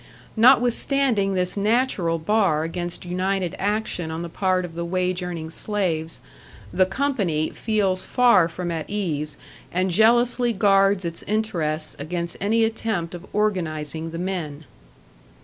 Notwithstanding this natural bar against united action on the part of the wage earning slaves, the Company feels far from at ease and jealously guards its interests against any attempt of organising the men.